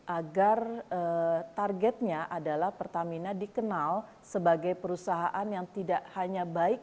agar targetnya adalah pertamina dikenal sebagai perusahaan yang tidak hanya baik